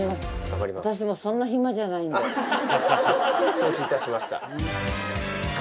承知いたしました。